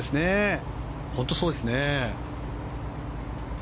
本当にそうですね。